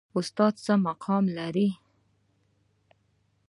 استاد څه مقام لري؟